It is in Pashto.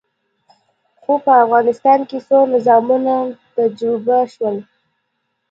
خو په افغانستان کې څو نظامونه تجربه شول.